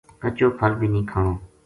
کچو پھل بھی نیہہ کھانو“